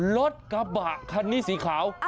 รถกระบะคันนี้สีขาว